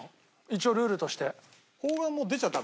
一応ルールとして。